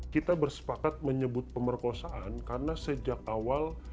kita bersepakat menyebut pemerkosaan karena sejak awal